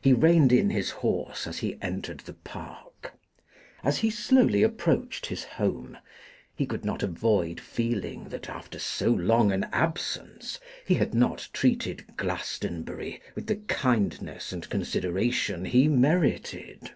He reined in his horse as he entered the park. As he slowly approached his home, he could not avoid feeling, that after so long an absence, he had not treated Glastonbury with the kindness and consideration he merited.